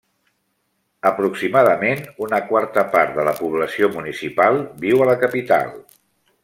Aproximadament una quarta part de la població municipal viu a la capital.